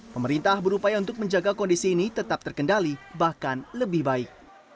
pemerintah berupaya untuk menjaga kondisi ini tetap terkendali bahkan lebih baik